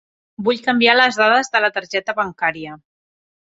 Vull canviar les dades de la targeta bancària.